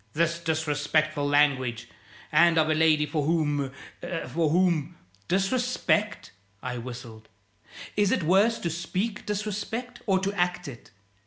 "This disrespectful language! And of a lady for whom for whom " "Disrespect?" I whistled. "Is it worse to speak disrespect or to act it?